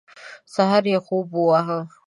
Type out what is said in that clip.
سهار یې خوب وواهه.